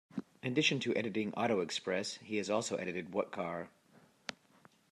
In addition to editing "Auto Express" he has also edited "What Car?